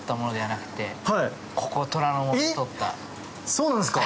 そうなんですか。